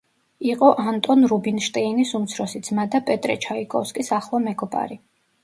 იყო ანტონ რუბინშტეინის უმცროსი ძმა და პეტრე ჩაიკოვსკის ახლო მეგობარი.